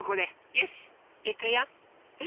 よしいくよ！